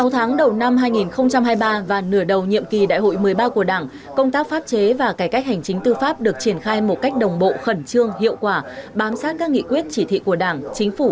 sáu tháng đầu năm hai nghìn hai mươi ba và nửa đầu nhiệm kỳ đại hội một mươi ba của đảng công tác pháp chế và cải cách hành chính tư pháp được triển khai một cách đồng bộ khẩn trương hiệu quả bám sát các nghị quyết chỉ thị của đảng chính phủ